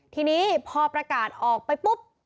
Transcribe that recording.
ทีนี้พอประกาศออกไปปุ๊บ